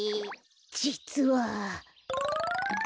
じつは。